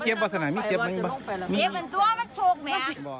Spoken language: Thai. เจ็บเป็นตัวมันโชคแม่